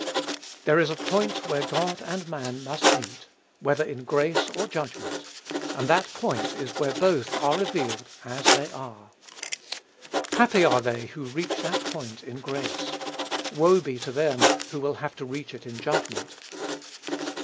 There is a point where God and man must meet, whether in grace or judgment, and that point is where both are revealed as they are. Happy are they who reach that point in grace! Woe be to them who will have to reach it in judgment!